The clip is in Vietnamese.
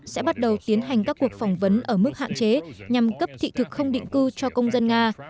sẽ bắt đầu tiến hành các cuộc phỏng vấn ở mức hạn chế nhằm cấp thị thực không định cư cho công dân nga